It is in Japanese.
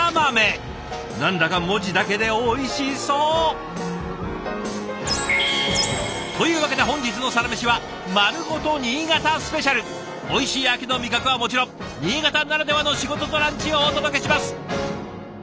何だか文字だけでおいしそう！というわけで本日の「サラメシ」はおいしい秋の味覚はもちろん新潟ならではの仕事とランチをお届けします！